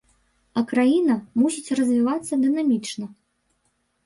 А краіна мусіць развівацца дынамічна.